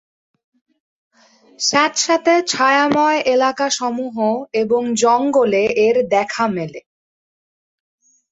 স্যাঁতসেঁতে ছায়াময় এলাকাসমূহ এবং জঙ্গলে এর দেখা মেলে।